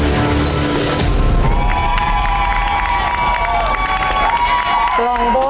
จะทำเวลาไหมครับเนี่ย